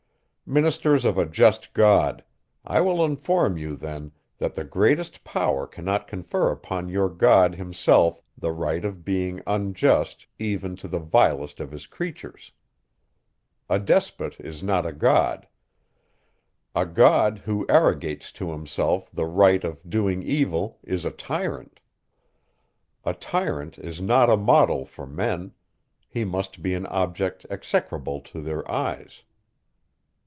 Ministers of a just God! I will inform you then, that the greatest power cannot confer upon your God himself the right of being unjust even to the vilest of his creatures. A despot is not a God. A God, who arrogates to himself the right of doing evil, is a tyrant; a tyrant is not a model for men; he must be an object execrable to their eyes.